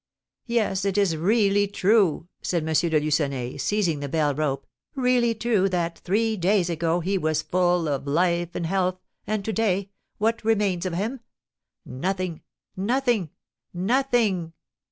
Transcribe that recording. "Yes, it is really true," said M. de Lucenay, seizing the bell rope, "really true that, three days ago, he was full of life and health, and, to day, what remains of him? Nothing! Nothing! Nothing!"